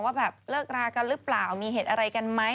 ว่าแบบเลิกรากันหรือเปล่ามีเหตุอะไรกันไหม